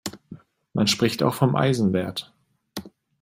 Man spricht auch vom Eisenwert.